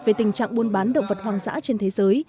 về tình trạng buôn bán động vật hoang dã trên thế giới